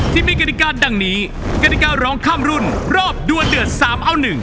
ที่มีกฎิกาดังนี้กฎิการร้องข้ามรุ่นรอบดวนเดือด๓เอา๑